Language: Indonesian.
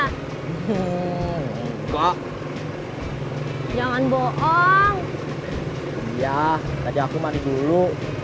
hai hehehe kok jangan bohong ya ada aku mandi dulu